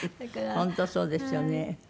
本当そうですよね。